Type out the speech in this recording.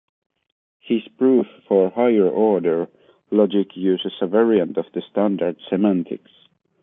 His proof for higher-order logic uses a variant of the standard semantics.